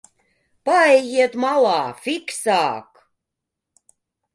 Paejiet malā, fiksāk!